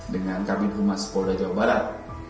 dengan kabin humas polda jawa barat